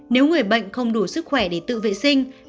nếu người bệnh không đủ sức khỏe để tự vệ sinh